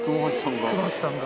熊八さんが？